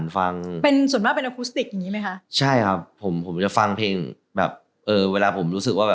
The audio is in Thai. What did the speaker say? คุณเป็นส่วนบ้านเป็นนหน้ากายมั้ยครับ